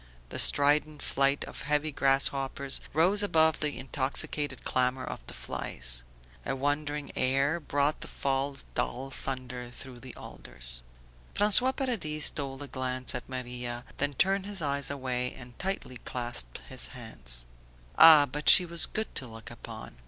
The strident flight of heavy grasshoppers rose above the intoxicated clamour of the flies; a wandering air brought the fall's dull thunder through the alders. François Paradis stole a glance at Maria, then turned his eyes away and tightly clasped his hands. Ah, but she was good to look upon!